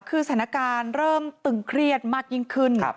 คือสถานการณ์เริ่มตึงเครียดมากยิ่งขึ้น